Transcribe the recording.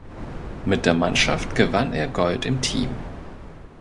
Mit der Mannschaft gewann er Gold im Team.